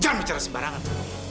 jangan bicara sembarangan